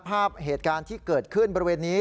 ภาพเหตุการณ์ที่เกิดขึ้นบริเวณนี้